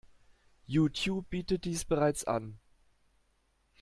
YouTube bietet dies bereits an.